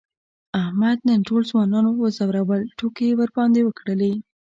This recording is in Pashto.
احمد نن ټول ځوانان و ځورول، ټوکې یې ورباندې وکړلې.